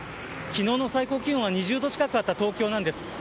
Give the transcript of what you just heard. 昨日の最高気温は２０度近かった東京です。